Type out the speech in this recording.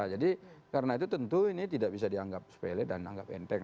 jadi karena itu tentu ini tidak bisa dianggap sepele dan dianggap enteng